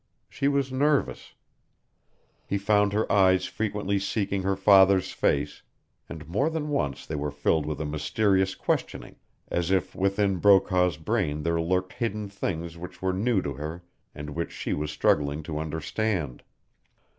She was nervous. He found her eyes frequently seeking her father's face, and more than once they were filled with a mysterious questioning, as if within Brokaw's brain there lurked hidden things which were new to her, and which she was struggling to understand.